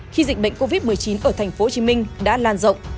khi dịch bệnh covid một mươi chín ở thành phố hồ chí minh đã lan rộng